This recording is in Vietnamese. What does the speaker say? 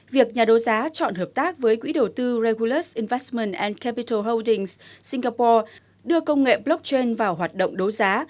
việc nhà đấu giá chọn hợp tác với quỹ đầu tư regulus invesman capital holdings singapore đưa công nghệ blockchain vào hoạt động đấu giá